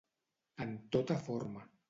En tota forma.